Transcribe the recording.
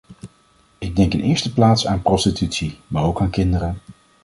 Ik denk in de eerste plaats aan prostitutie, maar ook aan kinderen.